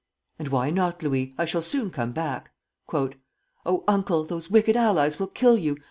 "And why not, Louis? I shall soon come back." "Oh, Uncle, those wicked allies will kill you!